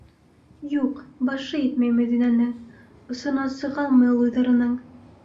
Юҡ, башы етмәй Мәҙинәнең, осона сыға алмай ул уйҙарының.